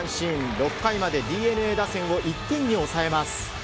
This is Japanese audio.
６回までＤｅＮＡ打線を１点に抑えます。